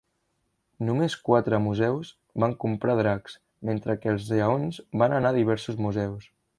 Només quatre museus van comprar dracs, mentre que els lleons van anar a diversos museus.